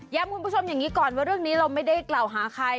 คุณผู้ชมอย่างนี้ก่อนว่าเรื่องนี้เราไม่ได้กล่าวหาใคร